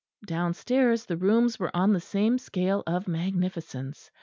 Downstairs the rooms were on the same scale of magnificence.